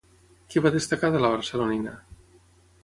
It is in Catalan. Què va destacar de la barcelonina?